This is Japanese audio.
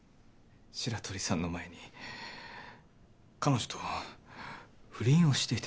白鳥さんの前に彼女と不倫をしていて。